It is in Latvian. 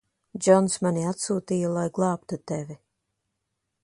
Džons mani atsūtīja, lai glābtu tevi.